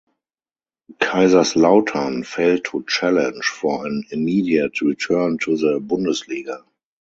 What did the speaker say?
Kaiserslautern failed to challenge for an immediate return to the Bundesliga.